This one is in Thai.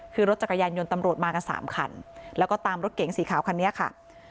คือรถจักรยานยนต์ตำรวจมากันสามคันแล้วก็ตามรถเก๋งสีขาวคันนี้ค่ะ